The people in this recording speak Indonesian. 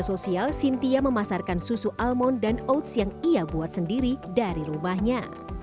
di sosial cynthia memasarkan susu almond dan oats yang ia buat sendiri dari rumahnya